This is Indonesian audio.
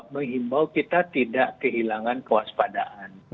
menghimbau kita tidak kehilangan kewaspadaan